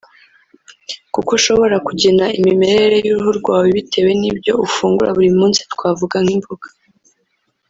kuko ushobora kugena imimere y’uruhu rwawe bitewe n’ibyo ufungura buri munsi twavuga nk’imboga